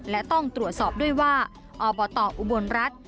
และต้องตรวจสอบด้วยว่าอบตอุบลรัฐ